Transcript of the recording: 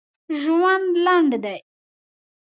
ژوند لنډ دي!